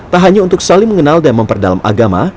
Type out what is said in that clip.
tak hanya untuk saling mengenal dan memperdalam agama